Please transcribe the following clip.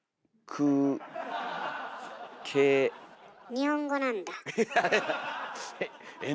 日本語なんだ。